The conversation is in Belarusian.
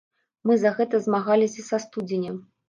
Мы за гэта змагаліся са студзеня.